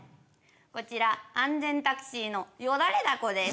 こちら安全タクシーのよだれだこです。